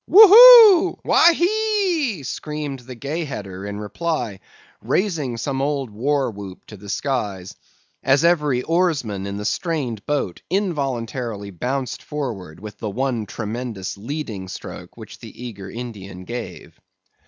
"Woo hoo! Wa hee!" screamed the Gay Header in reply, raising some old war whoop to the skies; as every oarsman in the strained boat involuntarily bounced forward with the one tremendous leading stroke which the eager Indian gave.